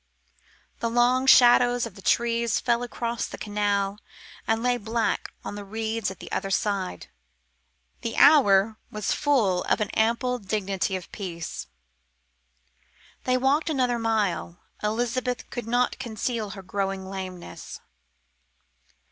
The long shadows of the trees fell across the canal and lay black on the reeds at the other side. The hour was full of an ample dignity of peace. They walked another mile. Elizabeth could not conceal her growing lameness.